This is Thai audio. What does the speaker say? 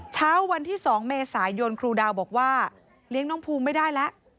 เช้าวันที่๒เมษายนครูดาวบอกว่าเลี้ยงน้องภูมิไม่ได้แล้ว